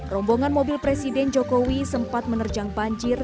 rombongan mobil presiden jokowi sempat menerjang banjir